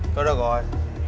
thôi được rồi